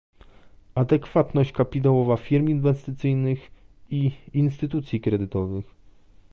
Adekwatność kapitałowa firm inwestycyjnych i instytucji kredytowych